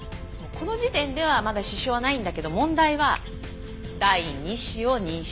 この時点ではまだ支障はないんだけど問題は第二子を妊娠した時。